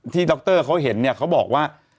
ที่ด็อกเตอร์เขาเห็นเนี่ยเขาบอกว่า